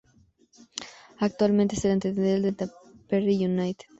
Actualmente es el entrenador del Tampere United.